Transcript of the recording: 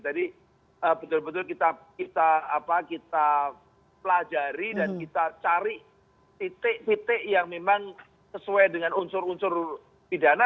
jadi betul betul kita pelajari dan kita cari titik titik yang memang sesuai dengan unsur unsur pidana